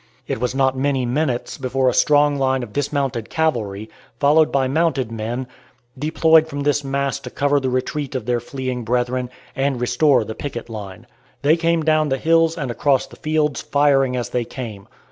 It was not many minutes before a strong line of dismounted cavalry, followed by mounted men, deployed from this mass to cover the retreat of their fleeing brethren, and restore the picket line. They came down the hills and across the fields, firing as they came.